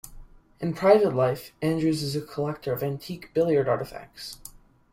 In private life, Andrews is a collector of antique billiard artifacts.